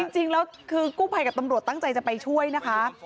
จริงแล้วคือกู้ภัยกับตำรวจตั้งใจจะไปช่วยนะคะ